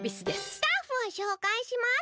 スタッフをしょうかいします。